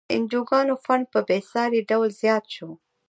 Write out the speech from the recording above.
د انجوګانو فنډ په بیسارې ډول زیات شوی.